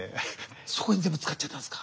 そこに全部使っちゃったんすか？